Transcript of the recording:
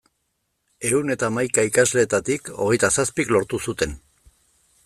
Ehun eta hamaika ikasleetatik hogeita zazpik lortu zuten.